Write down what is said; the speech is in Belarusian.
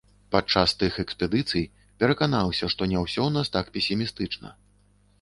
Падчас тых экспедыцый пераканаўся, што не ўсё ў нас так песімістычна.